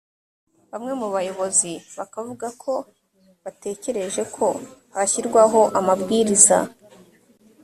bamwe mu bayobozi bakavuga ko bategereje ko hashyirwaho amabwiriza